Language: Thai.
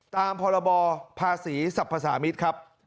ตามพรบภาษีสรรพสามิตรครับ